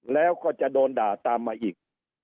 แล้วก็จะโดนด่าตามมาอีก